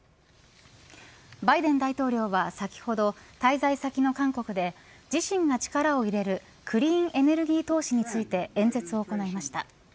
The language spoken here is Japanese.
バイデン大統領は先ほど滞在先の韓国で自身が力を入れるクリーンエネルギー投資について演説を行いました。